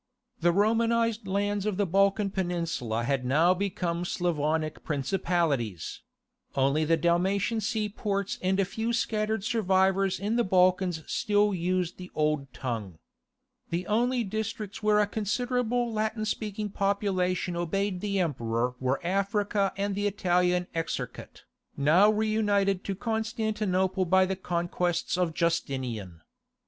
The Romanized lands of the Balkan peninsula had now become Slavonic principalities: only the Dalmatian seaports and a few scattered survivors in the Balkans still used the old tongue. The only districts where a considerable Latin speaking population obeyed the Emperor were Africa and the Italian Exarchate, now reunited to Constantinople by the conquests of Justinian.